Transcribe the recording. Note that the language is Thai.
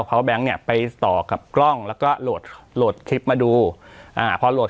เอาเนี้ยไปต่อกับกล้องแล้วก็โหดโหดมาดูอ่าพอโหด